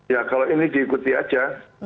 ya kalau ini diikuti aja